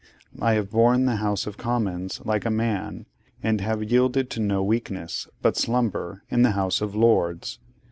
I have borne the House of Commons like a man, and have yielded to no weakness, but slumber, in the House of Lords.